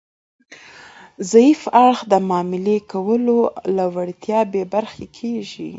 ضعیف اړخ د معاملې کولو له وړتیا بې برخې کیږي